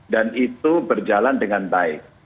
dan itu berjalan dengan baik